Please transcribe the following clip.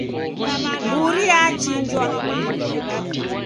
Mburi yachinjwa.